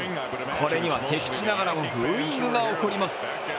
これには敵地ながらもブーイングが起こります。